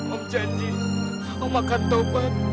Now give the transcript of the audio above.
om janji om akan taufan